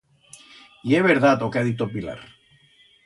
Ye verdat o que ha dito Pilar.